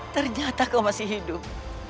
ternyata kau masih hidup